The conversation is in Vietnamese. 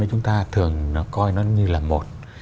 chúng ta thường coi nó như là một